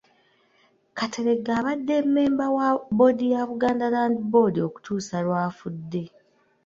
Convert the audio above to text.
Kateregga abadde mmemba wa bboodi ya Buganda Land Board okutuusa lw’afudde.